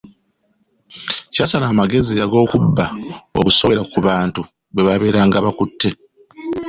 Kyasala amagezi ag’okubba obusowera ku bantu bwebaabeeranga bakutte.